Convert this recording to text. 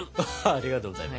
ありがとうございます。